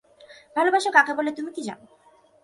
ভালোবাসা কাকে বলে তুমি কি জান?